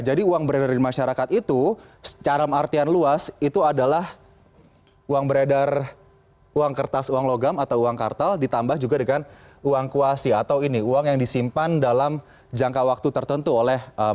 jadi uang beredar di masyarakat itu secara artian luas itu adalah uang beredar uang kertas uang logam atau uang kartal